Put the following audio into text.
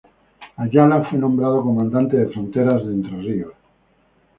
Ayala fue nombrado comandante de fronteras de Entre Ríos.